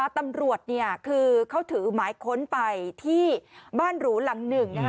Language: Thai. ตำรวจคือเขาถือหมายค้นไปที่บ้านหรูหลังหนึ่ง